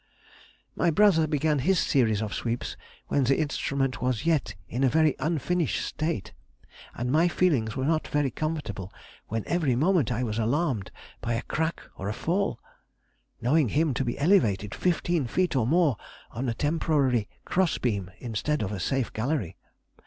My brother began his series of sweeps when the instrument was yet in a very unfinished state, and my feelings were not very comfortable when every moment I was alarmed by a crack or fall, knowing him to be elevated fifteen feet or more on a temporary cross beam instead of a safe gallery.